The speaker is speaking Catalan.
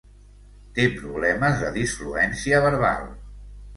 Té problemes de disfluència verbal.